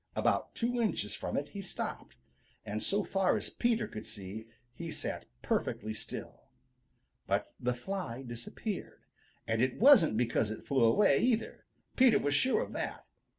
About two inches from it he stopped, and so far as Peter could see, he sat perfectly still. But the fly disappeared, and it wasn't because it flew away, either. Peter was sure of that.